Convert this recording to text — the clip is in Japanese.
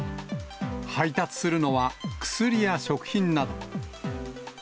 配達するのは薬や食品など。